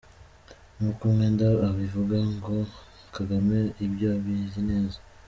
Nk’uko Mwenda abivuga ngo “Kagame ibyo abizi neza.